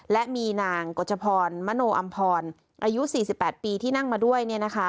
และมีนางกฎชพรมโนอำพรอายุ๔๘ปีที่นั่งมาด้วย